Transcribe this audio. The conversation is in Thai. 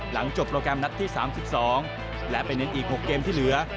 หลังจบโปรแกรมนัดที่๓๒และเป็นอีก๖เกมที่เหลือ